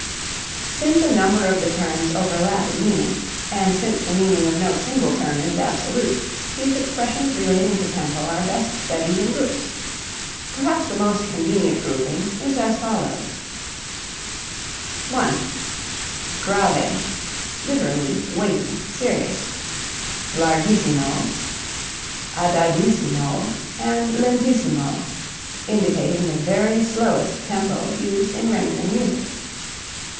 Since a number of the terms overlap in meaning, and since the meaning of no single term is absolute, these expressions relating to tempo are best studied in groups. Perhaps the most convenient grouping is as follows: 1. Grave (lit. weighty, serious), larghissimo, adagissimo, and lentissimo indicating the very slowest tempo used in rendering music.